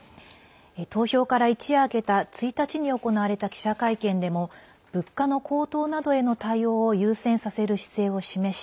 投票から一夜明けた１日に行われた記者会見でも物価の高騰などへの対応を優先させる姿勢を示し